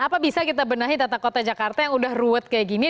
apa bisa kita benahi tata kota jakarta yang udah ruwet kayak gini